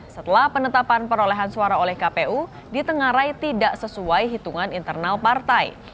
setelah penetapan perolehan suara oleh kpu ditengarai tidak sesuai hitungan internal partai